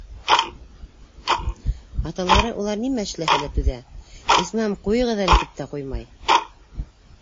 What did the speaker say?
Аталары улар нимә эшләһә лә түҙә, исмаһам, «ҡуйығыҙ әле» тип тә ҡуймай.